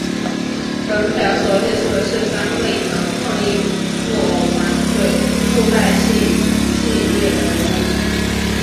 本表所列出的是三昧堂创意木偶团队布袋戏系列的人物。